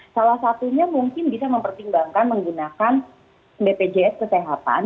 salah satunya mungkin bisa mempertimbangkan menggunakan bpjs kesehatan